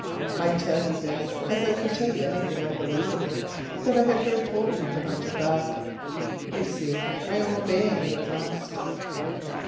I tell you this as I would tell you anything unbelievable that I had heard told of you behind your back. You see I am obeying you at last.